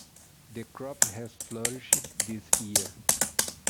The crops have flourished this year.